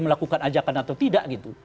melakukan ajakan atau tidak gitu